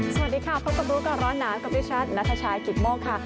สวัสดีค่ะพบกับลูกก่อนร้อนน้ำก็พิชัสนัทชายกิตมกค่ะ